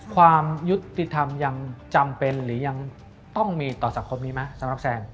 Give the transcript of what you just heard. ความยุติธรรมยังจำเป็นหรือยังต้องมีต่อสังคมนี้ไหมสำหรับแซน